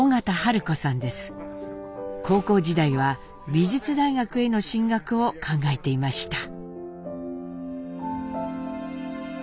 高校時代は美術大学への進学を考えていました。